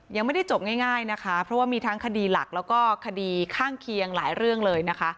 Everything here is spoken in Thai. ยังไม่ได้จบง่ายนะคะเพราะว่ามีทั้งคดีหลักแล้วก็คดีข้างเคียงหลายเรื่องเลยนะคะ